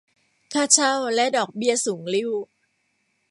ค่าเช่าและดอกเบี้ยสูงลิ่ว